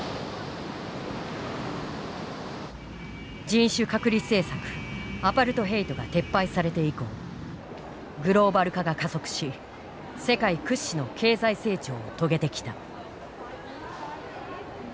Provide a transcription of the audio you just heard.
人種隔離政策アパルトヘイトが撤廃されて以降グローバル化が加速し世界屈指の経済成長を遂げてきた。